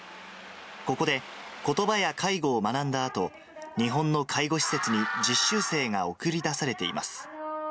ここで、ことばや介護を学んだあと、日本の介護施設に実習生が送り出されています。